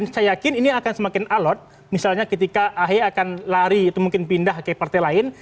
karena itu akan semakin alat misalnya ketika ahi akan lari mungkin pindah ke partai lain